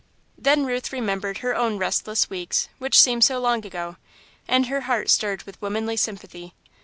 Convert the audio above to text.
Then Ruth remembered her own restless weeks, which seemed so long ago, and her heart stirred with womanly sympathy.